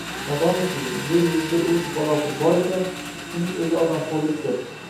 Modomiki, yer yuzida urush balosi bor ekan, shuning o’zi odamxo’rlikdir.